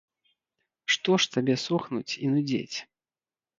Што ж табе сохнуць і нудзець?